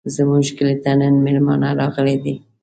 زموږ کلي ته نن مېلمانه راغلي دي.